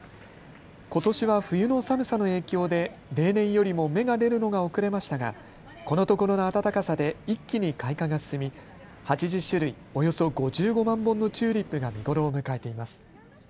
ことしは冬の寒さの影響で例年よりも芽が出るのが遅れましたが、このところの暖かさで一気に開花が進み８０種類、およそ５５万本のチューリップが見頃を迎えています。